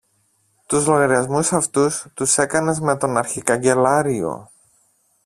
Τους λογαριασμούς αυτούς τους έκανες με τον αρχικαγκελάριο.